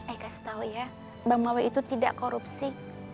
eh kasih tahu ya bang hawi itu tidak korupsi